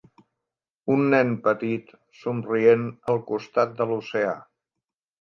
Un nen petit somrient al costat de l'oceà